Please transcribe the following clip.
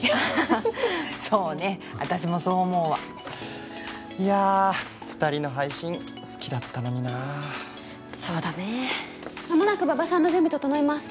そうね私もそう思うわいや２人の配信好きだったのになそうだね間もなく馬場さんの準備整います